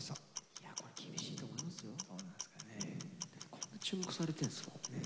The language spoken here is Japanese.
こんな注目されてるんですもん。